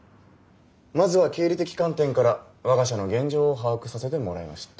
まずは経理的観点から我が社の現状を把握させてもらいました。